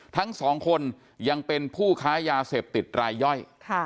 ทั้งสองคนยังเป็นผู้ค้ายาเสพติดรายย่อย